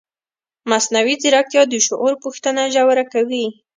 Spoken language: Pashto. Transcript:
مصنوعي ځیرکتیا د شعور پوښتنه ژوره کوي.